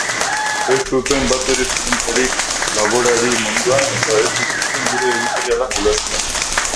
Ez zuten batere esperientzarik laborari munduan eta ez zituzten gure editorialak ulertzen.